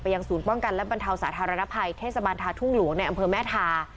ยังศูนย์ป้องกันและบรรเทาสาธารณภัยเทศบาลทาทุ่งหลวงในอำเภอแม่ทา